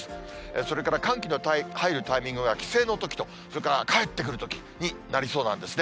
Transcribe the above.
それから寒気の入るタイミングは、帰省のときとそれから帰ってくるときになりそうなんですね。